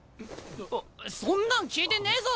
そんなん聞いてねえぞ！